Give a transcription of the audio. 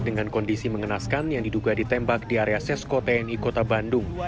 dengan kondisi mengenaskan yang diduga ditembak di area sesko tni kota bandung